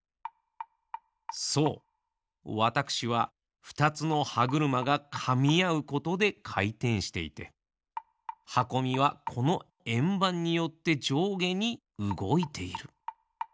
そうわたくしはふたつのはぐるまがかみあうことでかいてんしていてはこみはこのえんばんによってじょうげにうごいている。